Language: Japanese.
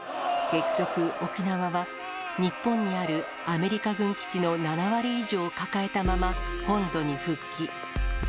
結局、沖縄は、日本にあるアメリカ軍基地の７割以上を抱えたまま、本土に復帰。